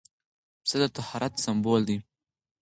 پسه د طهارت سمبول دی.